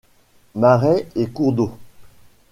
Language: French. Marais et cours d'eau.